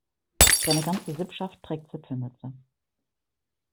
Seine ganze Sippschaft trägt Zipfelmütze.